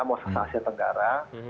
muasasa asia tenggara